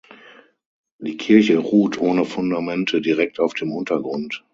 Die Kirche ruht ohne Fundamente direkt auf dem Untergrund.